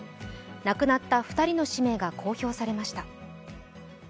亡くなった２人の氏名が公表されました。